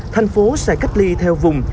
thành phố sẽ cách ly theo vùng